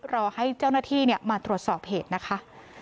รอให้เจ้าหน้าที่มาตรวจสอบเหตุนะคะ